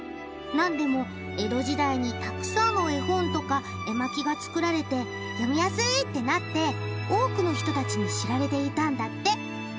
なんでも江戸時代にたくさんの絵本とか絵巻が作られて読みやすい！ってなって多くの人たちに知られていったんだって。